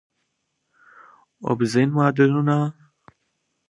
اوبزین معدنونه د افغانستان د انرژۍ سکتور برخه ده.